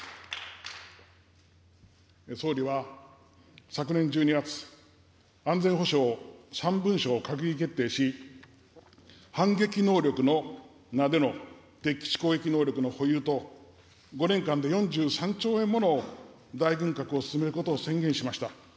総理は昨年１２月、安全保障３文書を閣議決定し、反撃能力の名での敵基地攻撃能力の保有と、５年間で４３兆円もの大軍拡を進めることを宣言しました。